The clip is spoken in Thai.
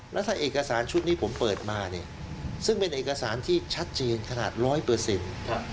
แล้วถ้าเอกสารชุดนี้ผมเปิดมาเนี่ยซึ่งเป็นเอกสารที่ชัดเจนขนาดร้อยเปอร์เซ็นต์